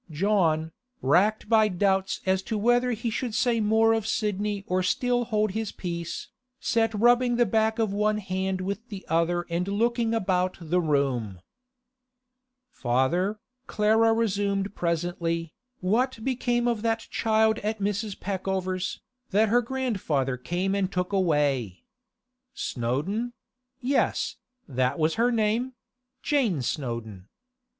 John, racked by doubts as to whether he should say more of Sidney or still hold his peace, sat rubbing the back of one hand with the other and looking about the room. 'Father,' Clara resumed presently, 'what became of that child at Mrs. Peckover's, that her grandfather came and took away? Snowdon; yes, that was her name; Jane Snowdon.